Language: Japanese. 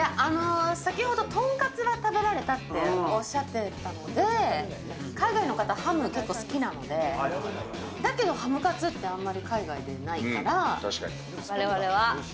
先ほど、豚カツは食べられたっておっしゃってたので、海外の方、ハム結構好きなので、だけど、ハムカツってあんまり海外でないわれわれは。